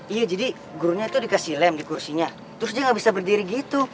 iya jadi gurunya tuh dikasih lem di kursinya terus aja gak bisa berdiri gitu